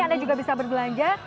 anda juga bisa berbelanja